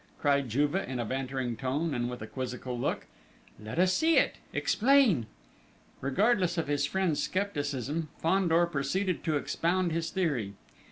cried Juve in a bantering tone, and with a quizzical look. "Let us see it!... Explain!..." Regardless of his friend's scepticism, Fandor proceeded to expound his theory.